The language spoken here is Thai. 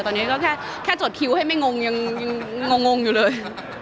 ตอนนี้ก็แค่จดคิวให้ไม่งงยังงงอยู่เลย